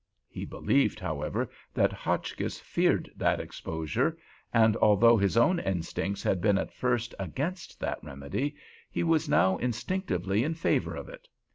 He believed, however, that Hotchkiss feared that exposure, and although his own instincts had been at first against that remedy, he was now instinctively in favor of it.